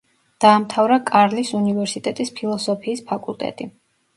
დაამთავრა კარლის უნივერსიტეტის ფილოსოფიის ფაკულტეტი.